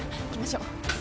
行きましょう。